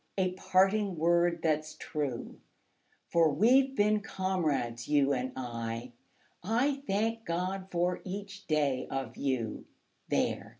a parting word that's true, For we've been comrades, you and I I THANK GOD FOR EACH DAY OF YOU; There!